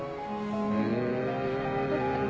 うん。